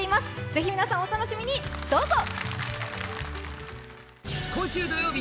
ぜひ皆さん、お楽しみに、どうぞ。